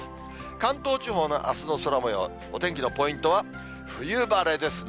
関東地方のあすの空もよう、お天気のポイントは冬晴れですね。